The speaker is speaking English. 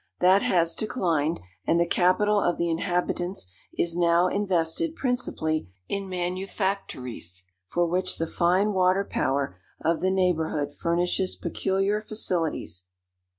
That has declined, and the capital of the inhabitants is now invested principally in manufactories, for which the fine water power of the neighbourhood furnishes peculiar facilities.